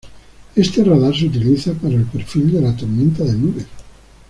Este radar se utiliza para el perfil de la tormenta de nubes.